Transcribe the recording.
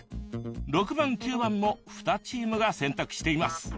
６番９番も２チームが選択しています。